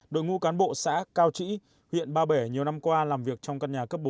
đội ngũ cán bộ xã cao trĩ huyện ba bể nhiều năm qua làm việc trong căn nhà cấp bốn